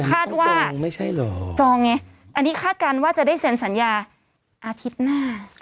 คาดว่าจองไงอันนี้คาดการณ์ว่าจะได้เซ็นสัญญาอาทิตย์หน้า